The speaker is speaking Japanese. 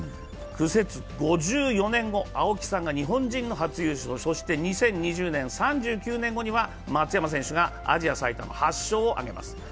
苦節５４年後、青木さんが日本人初の優勝、そして２０２０年、３９年後には松山選手がアジア最多の８勝を挙げます。